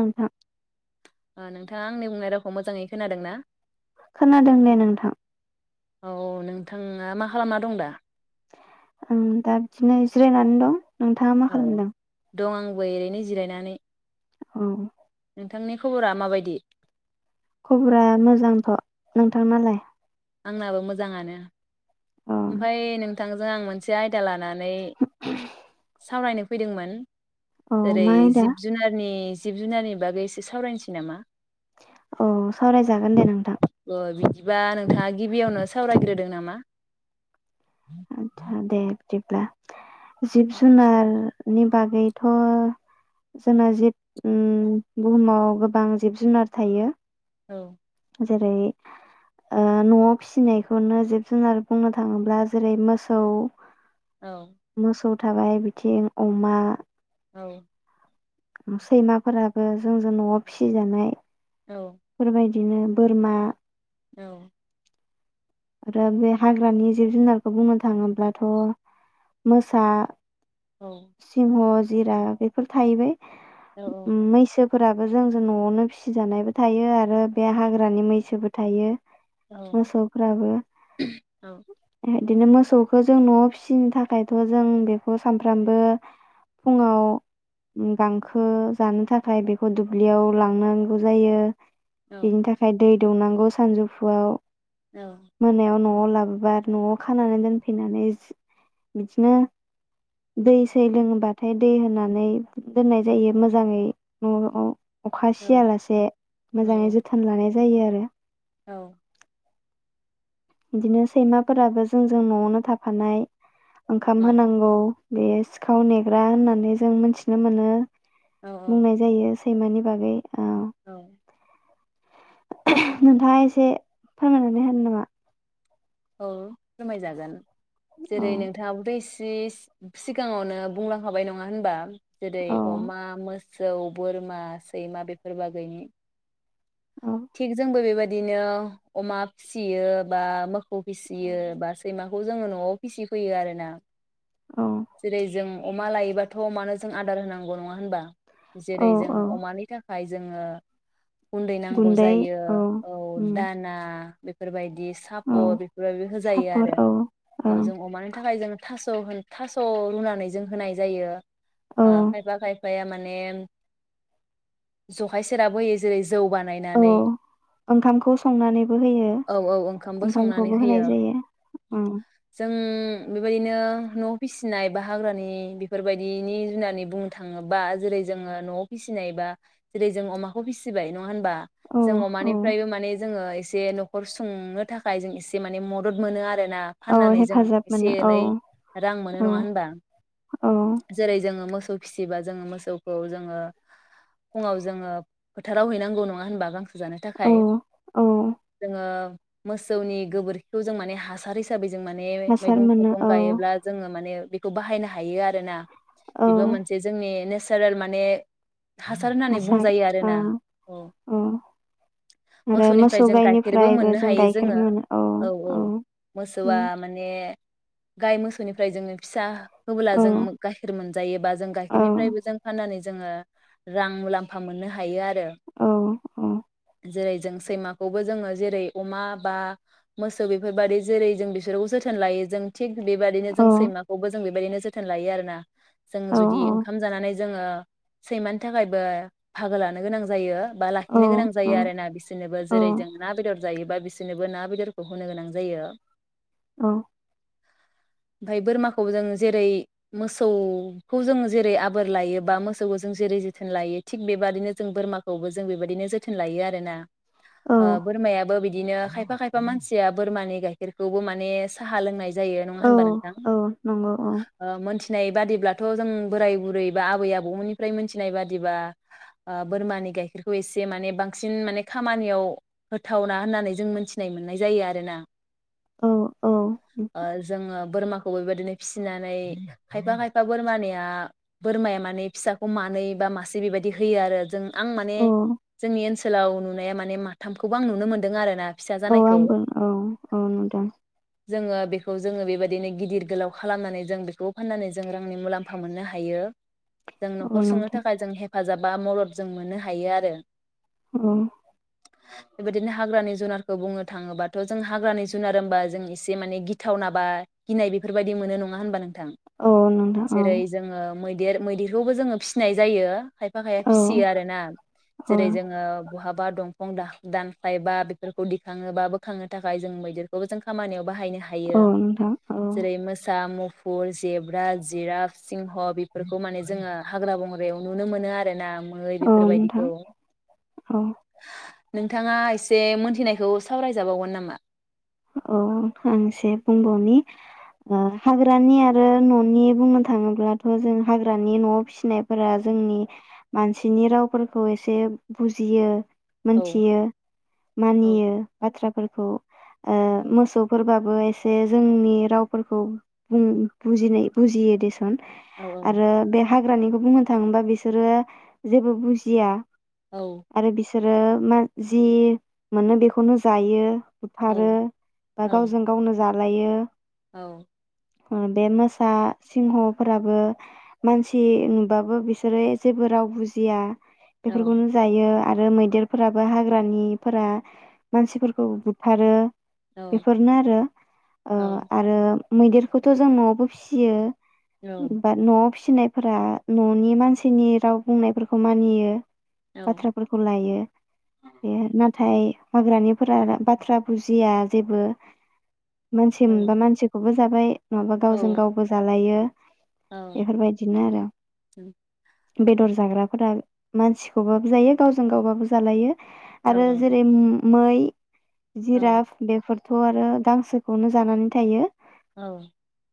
नोंथां आंनि बुंनाय रावखौ मोजाङै खोनादों ना? खोनादों दे नोंथां औ नोंथाङा मा खालामना दं दा? आं दा बिदिनो जिरायनानै दं। नोंथाङा मा औ खालामदों? दं आंबो एरैनो जिरायनानै। औ नोंथांनि खबरा मा बायदि खबरा मोजांथ' नोंथांनालाय? आंनाबो मोजाङानो। औ ओमफाय नोंथांजों आं मोनसे आयदा लाना नैै सावरायनो फैदोंमोन। औ ओरै मा आयदा जिब जुनारनि। जिब जुनारनि बागै एसे सावरायनोसै नामा। अ सावराय जागोन दे नोंथां। बा नों थाङा गिबियावनो सावरायग्रोदो नामा आतसा दे बिदिब्ला जिब औ जुनार। नि बागैथ जोंना जिब उम बुहुमाव गोबां जिब जुनार थायो। औ जेरै ओ नआव फिसिनायखौनो जिब जुनार बुंनो थाङोब्ला जेरै मोसौ औ मोसौ थाबाय बिथिं अमा औ उम सैमाफोराबो जों जों नआव फिसिजानाय औ फोरबाय दिनो बोरमा औ आरो बे हाग्रानि जिब जुनारखौ बुंनो थाङोब्लाथ मोसा सिंह जिरा बेफोर थाहैबाय औ उम मैसोब फोराबो जों जों नआवनो फिसिजानायबो थायो आरो बे हाग्रानि मैसोबो थायो। औ आबो औ बेदिनो मोसौखौ जों न'आव फिसिनो थाखायथ जों बेखौ सानफ्रामबो फुङाव उम गांखो जानो थाखाय बेखौ दुब्लियाव लांनांगौ जायो। बिनि थाखाय दै दौनांगौ सानजौफुआव। मोनायाव न' आव लाबोबा नआव खानानै दोनफैनानै जि बिदिनो दै सै लोङोबाथाय दै होनानै दोननाय जायो मोजाङै न'आव। अखा औ सियालासे मोजाङै औ जोथोन लानाय जायो आरो औ इदिनो सैमाफोराबो जों जों नआवनो थाफानाय। ओंखाम ओं होनांगौ। बे सिखाव नेग्रा होननानै जों मोनथिनो मोनो। औ औ बुंनाय जायो। सैमानि बागै ओ औ नोंथाङा इसे फोरमायनानै होनो नामा? औ फोरमाय जागोन, औ जेरै नोंथाङाबोथ' इस, जि सिगाङावनो बुंलांखाबाय नङा होनबा, जेरै औ अमा मोस जौ बोरमा, सैमा, बेफोर बागैनि, औ थिग जोंबो बेबायदिनो अमा फिसियो बा मोख मोखौ फिसियो बा सैमा, खौ जोङो न'आव फिसि फैयो आरोना, औ जेरै जों अमा लायोबाथ' अमानो जों आदार होनांगौ नङा होनबा औ जेरै जों औ अमानि थाखाय, जोङो गुन्दै नांगौ जायो औ उम दाना, बेफोरबायदि बि औ सापत बेफोरबायदि होजायो सापर आरो औ औ ओं जों अमानि थाखाय जों, थास होन थास रुनानै जों होनाय जायो, आ खायफा खाय बिफाया माने जखाय सेराब होयो जेरै, जौ औ बानायनानै ओंखामखौ संनानैबो होयो औ औ ओंखामबो संनानै ओंखामखौबो होनाय होयो जायो ओं जों बेबायदिनो न' फिसिनाय बा हाग्रानि बेफोरबायदिनि जुनानै बुंनो थाङोबा जेरै जोङो न'आव फिसिनाय बा जेरै जों अमाखौ फिसिबाय न' होनबा औ जों औ अमानिफ्रायबो माने जोङो एस एसे न'खर संनो थाखाय जों एसे माने मदद मोनो आरो ना औ फाननानै जों हेफाजाब एसे मोनो औ एनै जोंहो मोनो औ नङा होनबा औ जेरै जों जोङो मोसौ फिसिबा जों मोसौखौ जोङो फुंआव जोङो फोथाराव हैनांगौ नङा होनबा गांस जानो औ थाखाय औ जोङो मोसौनि गोबोरखिखौ जों माने हासार हिसाबै, जों माने हासार मैगं मोनो थाइगं औ गायोब्ला, माने बेखौ बाहायनो हायो आरोना, औ बेबो मोनसे जोंनि नेस, नेसारेल माने हासार होननानै बुंजायो आरोना औ आरो मोसौनिफ्राय मोसौ जों गाइखेरबो गायनिफ्रायबो मोननो जों हायो गाइखेर जोङो मोनो औ औ मोसौआ उम माने, गाय मोस निफ्राय जोङो फिसा, होबोला औ जों गाइखेर मोनजायो बा जों औ गाइखेरनिफ्रायबो जों फाननानै जोङो रां मुलाम्फा मोननो हायो आरो औ औ जों‌ सैमाखौ बो जोङो जेरै अमा बा मोसौ बेफोरबादि जेरै जों बिसोर जोथोन लायो जों थिख बिबादि औ जों सैमाखौबो जों बेबायदिनो जोथोन लायो आरोना जों औ जुदि ओंखाम जानानै जोङो सैमानि थाखायबो फागो लानो गोनां जायो। बा लाखिनो गोनां जायो आरो ना बिसोरनोबो जेरै जों ना बेदर जायोबा बिसोरनोबो ना बेदरखौ होनो गोनां जायो। औ ओमफाय बोरमाखौ जों जेरै मोसौखौ जों जेरै आबोर लायो बा मोसौखौ जों जेरै जोथोन लायो थिग बेबादिनो जों बोरमाखौबो जों बेबायदिनो जोथोन लायो आरोना औ बोरमायाबो बिद बिदिनो खायफा खायफा मानसिया बोरमानि गाइखेरखौबो माने साहा लोंनाय जायो नङा औ होनबा नों औ नंगौ औ मोनथिनाय बादिब्लाथ 'जों बोराय बुरै बा आबै आबौमोननिफ्राय मोनथिनाय बादिबा ओ बोरमानि गाइखेरखौ एसे माने बांसिन माने खामानियाव होथावना होननानै जों मोनथिनाय मोननाय जायो आरोना औ ओ जोङो बोरमा खौ बेबायदिनो फिसिनानै खायफा खायफा बोरमानिया बोरमाया माने फिसाखौ मानै बा मासे बेबायदि होयो आरो जों आं माने औ जोंनि ओनसो ओनसोलाव नुनाया माने माथामखौबो आं नुनो मोन्दों आरो ना फिसा औ जानायखौ आंबो औ औ नुदों। जोङो बेखौ जोङो बेबादिनो गिदिर गोलाव खालामनानै जों बेखौ फाननानै जों रांनि मुलाम्फा मोननो हायो। जों औ नखर सुंनो नोंथां थाखाय जों हेफाजाब बा मदद जों मोननो हायो आरो औ बेबायदिनो हाग्रानि जुनारखौ बुंनो थाङोबाथ' जों हाग्रानि जुनार होनोमबा जों एसे माने गिथावनाबा गिनाय बेफोरबायदि मोनो नङा होनबा नों औ नोंथां औ मैदेर मैदेरखौबो जोङो फिसिनाय जायो। खायफा खायफा औ फिसियो आरो ना औ जेरै जोङो बहाब बा दंफां दा-दानस्लाय बा बेफोरखौ दिखाङो बा बोखांनो थाखाय जों मैदेरखौबो जों खामानियाव बाहायनो हा औ नोंथां औ जेरै मोसा मुफुर, जेब्रा, जिराफ, सिंह बेफोरखौ माने जोङो हाग्रा बंग्रायाव नुनो मोनो आरोना मै औ नोंथां बेफोरबायदिखौ औ नोंथाङा एसे मोनथिनायखौ सावरायजाबावगोन नामा? औ आं एसे बुंबावनि ओ हाग्रानि आरो न'नि बुंनो थाङोब्लाथ' जों हाग्रानि न'वाव फिसिनायफोरा जोंनि मानसिनि रावफोरखौ एसे बुजियो। औ मोनथियो औ मानियो बाथ्राफोरखौ ओ औ मोसौफोरबाब एसे जोंनि रावफोरखौ बुं बुजिनाय-बुजियो देसन औ आरो बे हाग्रानिखौ बुंनो थाङोबा बिसोरो जेबो बुजिया। औ आरो बिसो आरो बिसोरो मा जि मोनो बेखौनो जायो। औ खारो बा औ गावजों गावनो जा लायो औ बे मोसा सिंह'फोराबो मानसि नुबाबो बिसोरो जेबो राव बुजिया‌। औ बेफोरखौनो जायो। आरो मैदेरफोराबो हाग्रानिफोरा मानसिफोरखौ आरो औ बेफोरनो आरो ओ आरो मैदेरखौथ' जों न'वावबो फिसियो। औ बा न'वाव फिसिनायफोरा न'नि मानसिनि राव बुंनायफोरखौ मानियो। औ बाथ्राफोरखौ लायो औ बे नाथाय हाग्रानिफोरा बा थ्रा बुजिया जेबो मानसि औ मोनबा मानसिखौबो जाबाय नङाबा औ गावजों गावबो जालायो। औ बेफोरबायदिनो आरो बेदर जाग्राफोरा मानसिखौबाबो जायो गावजों गावबाबो जालायो। औ आरो जेरै हम मै औ जिराफ बेफोर थ' आरो गांसोखौनो जानानै थायो। औ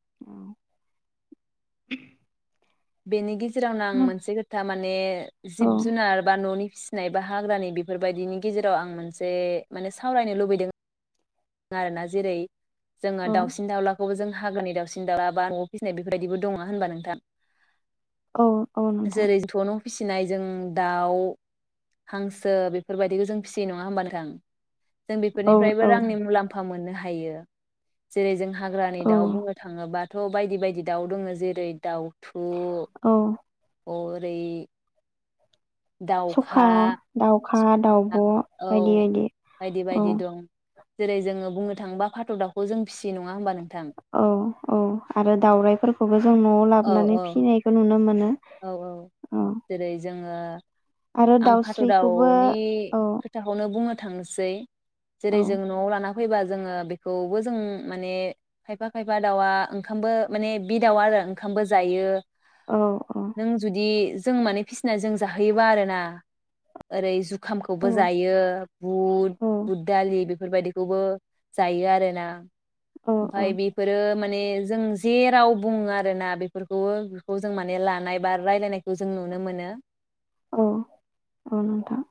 औ बेनि गे जेरावनो आं मोनसे खोथा माने औ जिब जुनार बा न'नि फिसिनाय बा हाग्रानि बेफोरबायदिनि गेजेराव आं मोनसे माने सावरायनो लुबैदों आरो ना जेरै जोङो औ दाउसिन दाउला खौ जों हाग्रानि दाउसिन दावला बा न'आव फिसिनाय बेफोरबायदिबो दङ नोंङा होनबा नोंथां औ औ नोंथां जेरै जोंथ' न' फिसिनाय जों दाउ हांसो बेफोरबायदिखौ जों फिसियो नङा होनबा नोथां। जों औ बेफोरनिफ्रायबो औ रांनि मु लाम्फा मोननो हायो। जेरै जों हाग्रानि औ दाउ बुंनो थाङोबाथ' बायदि बायदि दाउ दङ जेरै दाउ औ अरै सखा, दाउ खा, दाउब औ बायदि बायदि बायदि औ बायदि दं जेरै जोङो बुंनो थांबा फाथ' दाउखौ जों फिसि नङा होमब नों औ औ आरो दउरायाइफोरखौबो जों न'आव औ औ लाबोनानै फिसिनायखौ नुनो मोनो। औ औ औ जेरै जोङो ओ आरो आं फाथ' दाउस्रिखौबो दावनि औ खोथाखौनो बुंनो थांनोसै औ जेरै जोङो न'आव लाना फैबा जोङो बेखौबो जों माने खायफा खायफा दाउआ ओंखामबो माने बि दाउआ आरो ओंखामबो जायो। औ औ नों जुदि जों माने फिसिना जों जाहोयोबा आरो ना ओरै जु खामखौबो औ जायो बुद औ बुद दालि बे फोरबायदिखौबो जायो आरोना। औ ओमफाय बेफोरो मो ने जों जे राव बुङो आरोना बेफोरखौबो बेखौ जों माने लानाय बा रायलायनायखौ जों नुनो मोनो। औ औ औ नोंथां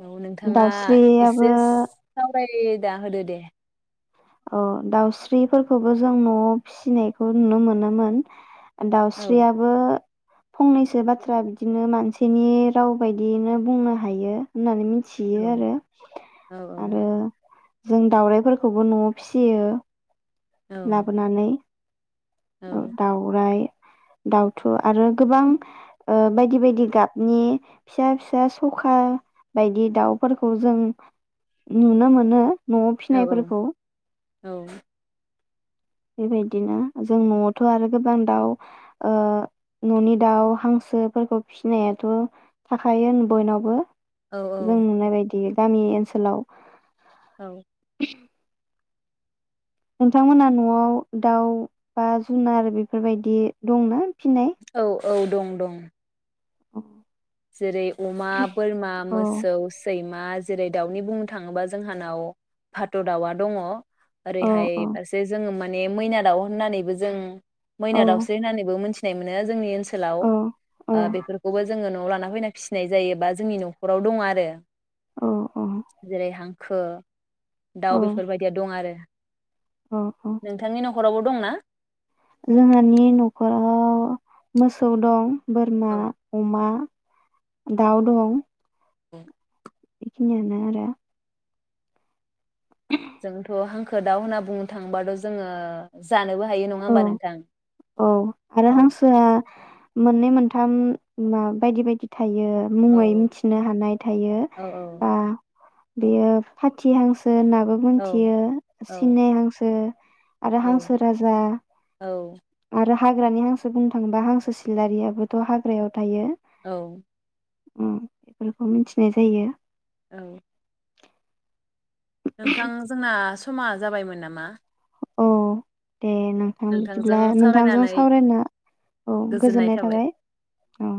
औ नोंथाङा दाउस्रियाबो एसेस ओमफाय दा होदो दे। औ दाउस्रिफोरखौबो जों न'आव फिसिनायखौ नुनो मोनोमोन। औ दाउस्रियाबो फंनैसो बाथ्रा बिदिनो मानसिनि राव बायदियैनो बुंनो हायो होननानै मि औ थियो आरो औ आरो बुं दाउरायफोरखौबो न'आव फिसियो। औ लाबोनानै। औ दावराइ दाउथु आरो गोबां ओ बायदि बायदि गाबनि फिसा फिसा सखा बायदि दाउफोरखौ जों नुनो मोनो। न'आव औ फिनायफोरखौ। औ। बेबायदिनो जों न'आवथ' आरो गोबां दाउ ओ न'नि दाउ हांसोफोरखौ फिसिनायाथ' थाखायो बयनावबो। जों नुनाय बायदियै गामि ओनसोलाव औ। [inaudible] नोंथांमोना न'आव दाउ बा जुनार बेफोरबायदि दंना? फिनाय औ औ दं दं। [inaudible] जेरै अमा बोरमा औ मोसौ सैमा मा जेरै दाउनि बुंनो थाङोबा जोंहानाव भाथ' दाउआ दङ। औ ओरैहाय औ फारसे जोङो मा ने मैना दाउ होननानैबो जों औ मैना दावस्रि होननानैबो मोनथि नाय मोनो जोंनि ओनसो सोलाव औ ओ औ बेफोरखौबो जोङो न'आव ला ना फैना फिसिनाय जायो बा जोंनि नख'राव दङ आरो। औ जेरै हां खो दाउ बेफोरबायदिया दं आरो। अ अ। न'खराव बो दंना। जोंहानि नखराव मोसौ दं। बोरमा औ अमा। दाउ दं। औ। बेखिनियानो आरो‌ जोंथ हांखो दाउ होनना बुंनो थाङोबाथ जोङो जानोबो। हायो नङा औ होमबा नोंथां? औ आरो औ हांसोआ। मोननै मोनथाम मा बायदि बायदि था। थायो औ मुङै मिथिनो हानाय थायो औ बा। बेयो फथिहांसो। हांसो होनाबो औ मोनथियो औ सिने हांसो। आरो औ हांसो राज। औ। आरो हाग्रानि हांसो बुंनो थांबा हांसो सिलारियाबोथ हाग्रायाव थायो। औ। होम बेखौ मिथिनाय जायो। औ। नोंथां जोंना। समा जाबायमोन नामा। औ। दे नोंथां नोंथांजों बिदिब्ला नोंथांजों सावरायनानै सावरायनो औ गोजोननाय थाबाय औ।